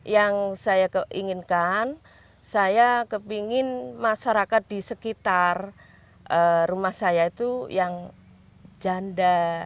yang saya inginkan saya kepingin masyarakat di sekitar rumah saya itu yang janda